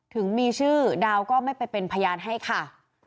ถึงมีชื่อดาวก็ไม่ไปเป็นพยานให้ค่ะ